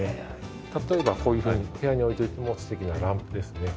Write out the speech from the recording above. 例えばこういうふうに部屋に置いておいても素敵なランプですね。